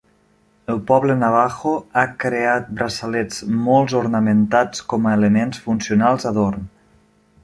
El poble navajo ha creat braçalets molts ornamentats com a elements funcionals d"adorn.